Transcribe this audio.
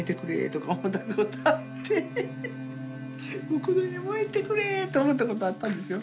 もうこの家燃えてくれと思ったことあったんですよ。